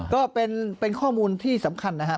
ก็เป็นข้อมูลที่สำคัญนะครับ